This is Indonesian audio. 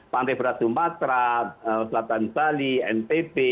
pantai berat sumatra selatan bali npp